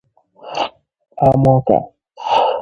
Amọrka